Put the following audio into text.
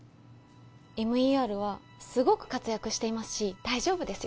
ＭＥＲはすごく活躍していますし大丈夫ですよ